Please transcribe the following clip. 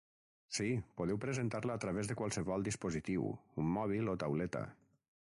Sí, podeu presentar-la a través de qualsevol dispositiu: un mòbil o tauleta.